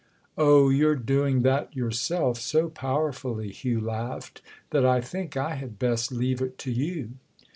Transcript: "Oh, you're doing that yourself so powerfully," Hugh laughed, "that I think I had best leave it to you!"